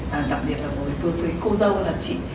và đặc biệt là đối với cô dâu là chị